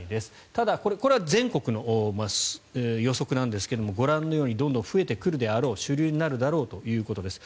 ただ、これは全国の予測ですがご覧のようにどんどん増えてくるであろう主流になるだろうということです。